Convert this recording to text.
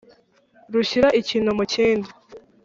rushyira ikintu mu kindi!